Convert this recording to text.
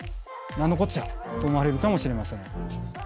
何のこっちゃ？と思われるかもしれません。